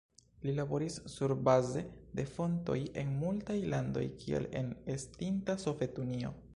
Li laboris surbaze de fontoj en multaj landoj, kiel en estinta Sovetunio.